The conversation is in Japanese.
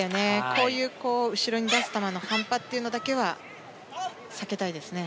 こういう後ろに出す球の半端というのだけは避けたいですね。